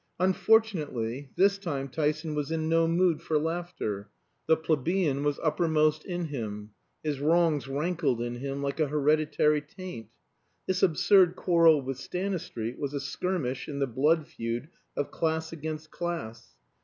Unfortunately this time Tyson was in no mood for laughter. The plebeian was uppermost in him. His wrongs rankled in him like a hereditary taint; this absurd quarrel with Stanistreet was a skirmish in the blood feud of class against class.